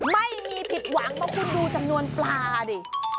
ไม่มีผิดหวังเพราะคุณดูจำนวนปลาดิ